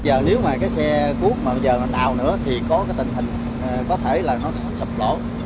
giờ nếu mà cái xe cuốt mà bây giờ mình đào nữa thì có cái tình hình có thể là nó sập lỗ